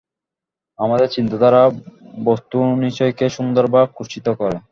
আমাদেরই চিন্তাধারা বস্তুনিচয়কে সুন্দর বা কুৎসিত করে।